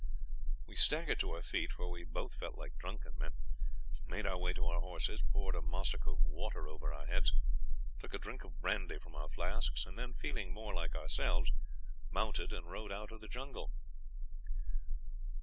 "We staggered to our feet, for we both felt like drunken men, made our way to our horses, poured a mussuk of water over our heads, took a drink of brandy from our flasks, and then, feeling more like ourselves, mounted and rode out of the jungle.